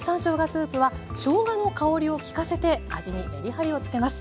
スープはしょうがの香りをきかせて味にメリハリをつけます。